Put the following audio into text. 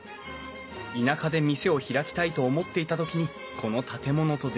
田舎で店を開きたいと思っていた時にこの建物と出会い